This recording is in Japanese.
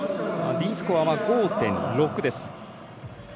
Ｄスコアは５．６です。